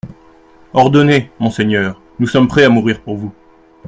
Ordonnez, monseigneur, nous sommes prêts à mourir pour vous.